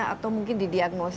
atau mungkin didiagnosa